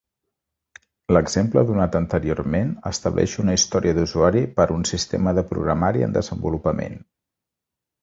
L'exemple donat anteriorment estableix una història d'usuari per a un sistema de programari en desenvolupament.